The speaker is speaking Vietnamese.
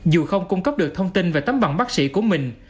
dù không cung cấp được thông tin về tấm bằng bác sĩ của mình